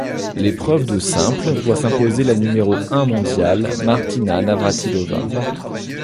L'épreuve de simple voit s'imposer la numéro un mondiale Martina Navrátilová.